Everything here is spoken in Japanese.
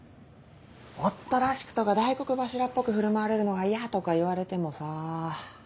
夫らしくとか大黒柱っぽく振る舞われるのが嫌とか言われてもさ。